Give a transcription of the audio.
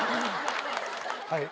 はい。